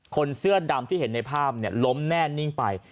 คนเสื้อดำที่เห็นในภาพล้มแน่นิ่งไป